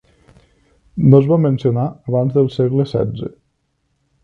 No es va mencionar abans del segle setze.